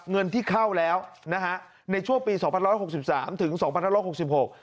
เงินที่เข้าแล้วนะฮะในช่วงปีสองพันร้อยหกสิบสามถึงสองพันห้าร้อยหกสิบหก